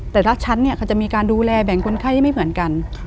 แต่ละชั้นเนี่ยเขาจะมีการดูแลแบ่งคนไข้ที่ไม่เหมือนกัน